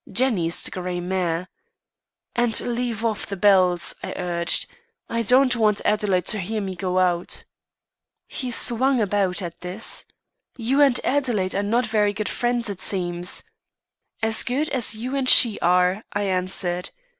Jenny is the grey mare. 'And leave off the bells,' I urged. 'I don't want Adelaide to hear me go out.' "He swung about at this. 'You and Adelaide are not very good friends it seems.' 'As good as you and she are,' I answered.